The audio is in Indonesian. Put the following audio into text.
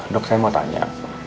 dok saya mau tanya